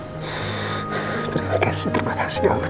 terima kasih ya allah